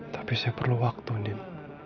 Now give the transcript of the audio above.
tapi saya perlu waktu nim